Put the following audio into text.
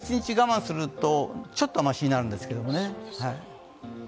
明日一日我慢するとちょっとはましになるんですけどね。